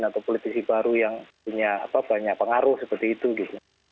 atau politisi baru yang punya banyak pengaruh seperti itu gitu